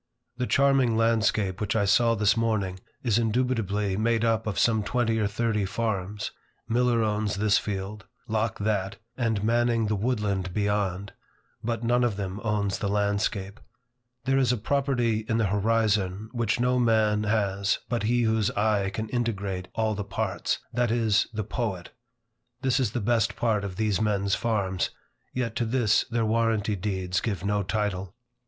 The charming landscape which I saw this morning, is indubitably made up of some twenty or thirty farms. Miller owns this field, Locke that, and Manning the woodland beyond. But none of them owns the landscape. There is a property in the horizon which no man has but he whose eye can integrate all the parts, that is, the poet. This is the best part of these men's farms, yet to this their warranty deeds give no title.